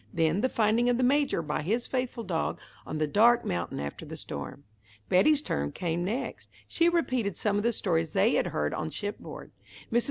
Then the finding of the Major by his faithful dog on the dark mountain after the storm. Betty's turn came next. She repeated some of the stories they had heard on shipboard. Mrs.